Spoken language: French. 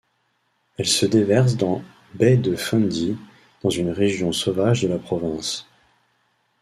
Elle se déverse dans baie de Fundy, dans une région sauvage de la province.